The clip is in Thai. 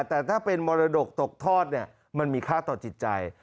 แต่ถ้าเป็นมรดกตกทอดเนี่ยมันมีค่าต่อจิตใจ